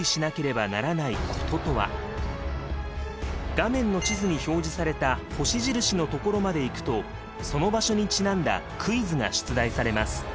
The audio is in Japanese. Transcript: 画面の地図に表示された星印のところまで行くとその場所にちなんだクイズが出題されます。